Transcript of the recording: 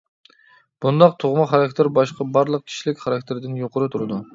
بۇنداق تۇغما خاراكتېر باشقا بارلىق كىشىلىك خاراكتېرىدىن يۇقىرى تۇرىدۇ.